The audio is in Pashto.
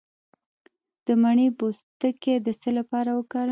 د مڼې پوستکی د څه لپاره وکاروم؟